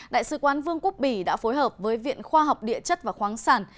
đại sứ quán vương quốc bỉ đã phối hợp với viện khoa học địa chất và khoáng sản